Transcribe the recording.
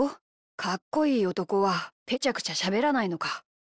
かっこいいおとこはぺちゃくちゃしゃべらないのか。